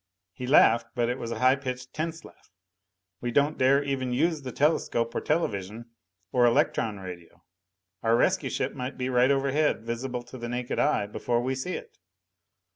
He laughed, but it was a high pitched, tense laugh. "We don't dare even use the telescope or television. Or electron radio. Our rescue ship might be right overhead, visible to the naked eye, before we see it.